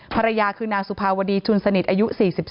ภรรยาคือนางสุภาวดีชุนสนิทอายุ๔๒